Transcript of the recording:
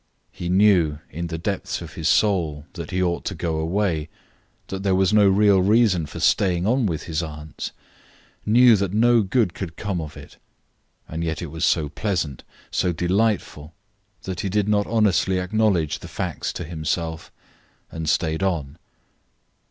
He knew in the depths of his soul that he ought to go away, that there was no real reason for staying on with his aunts, knew that no good could come of it; and yet it was so pleasant, so delightful, that he did not honestly acknowledge the facts to himself and stayed on.